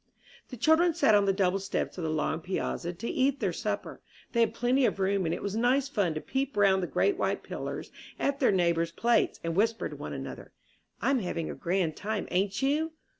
The children sat on the double steps of the long piazza to eat their supper. They had plenty of room, and it was nice fun to peep round the great white pillars at their neighbors' plates, and whisper to one another, "I'm having a grand time, ain't you?"